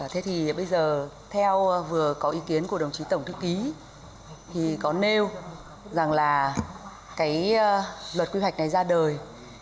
thế thì bây giờ theo vừa có ý kiến của đồng chí tổng thư ký thì có nêu rằng là cái luật quy hoạch này ra đời